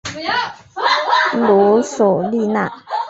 罗索利纳。